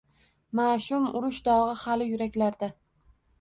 Mash’um urush dog’i hali yuraklarda.